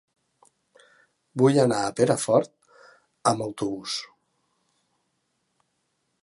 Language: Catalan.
Vull anar a Perafort amb autobús.